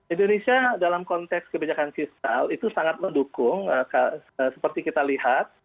indonesia dalam konteks kebijakan fiskal itu sangat mendukung seperti kita lihat